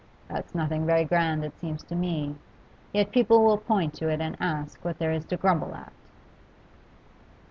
That's nothing very grand, it seems to me. Yet people will point to it and ask what there is to grumble at!